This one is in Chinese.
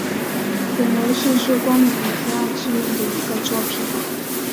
本游戏是光明与黑暗系列的一个作品。